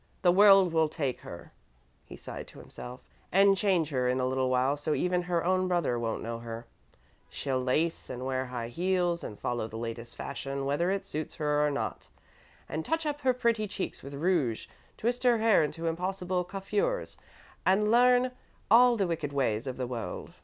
"The world will take her," he sighed to himself, "and change her in a little while so even her own brother won't know her. She'll lace, and wear high heels and follow the latest fashion whether it suits her or not, and touch up her pretty cheeks with rouge, twist her hair into impossible coiffures, and learn all the wicked ways of the world."